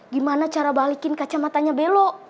gimana cara balikin kacamatanya belok